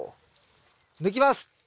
抜きます。